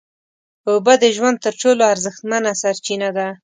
اوبه د ژوند تر ټولو ارزښتمنه سرچینه ده